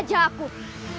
aku tidak takut